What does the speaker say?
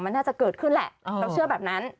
มันน่าจะเกิดขึ้นแหละเราเชื่อแบบนั้น